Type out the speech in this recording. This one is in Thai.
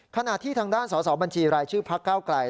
ขณะที่ทางด้านสอสอบัญชีรายชื่อพักเก้าไกล